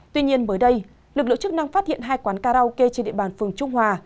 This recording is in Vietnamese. tuy nhiên mới đây lực lượng chức năng phát hiện hai quán karaoke trên địa bàn phường trung hòa